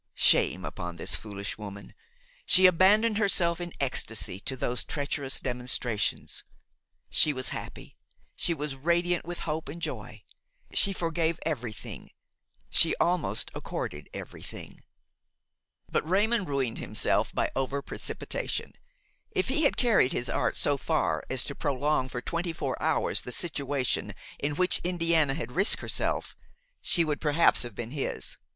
Shame upon this foolish woman! She abandoned herself in ecstasy to those treacherous demonstrations; she was happy, she was radiant with hope and joy; she forgave everything, she almost accorded everything. But Raymon ruined himself by over precipitation. If he had carried his art so far as to prolong for twenty four hours the situation in which Indiana had risked herself, she would perhaps have been his.